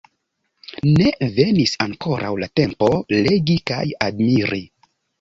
Ne venis ankoraŭ la tempo legi kaj admiri.